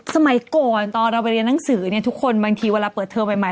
สมัยก่อนตอนเราไปเรียนหนังสือเนี่ยทุกคนบางทีเวลาเปิดเทอมใหม่